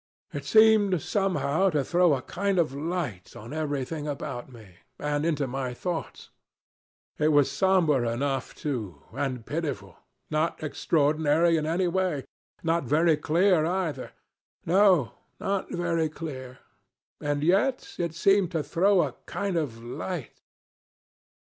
It seemed somehow to throw a kind of light on everything about me and into my thoughts. It was somber enough too and pitiful not extraordinary in any way not very clear either. No, not very clear. And yet it seemed to throw a kind of light.